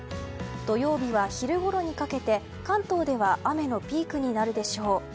土曜日は昼ごろにかけて関東では雨のピークになるでしょう。